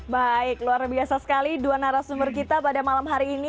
baik luar biasa sekali dua narasumber kita pada malam hari ini